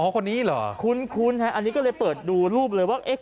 คนนี้เหรอคุ้นฮะอันนี้ก็เลยเปิดดูรูปเลยว่าเอ๊ะ